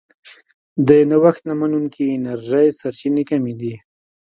د نوښت نه منونکې انرژۍ سرچینې کمې دي.